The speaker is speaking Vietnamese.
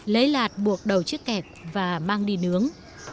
lấy lạt buộc đầu chiếc kẹp và mang đi nướng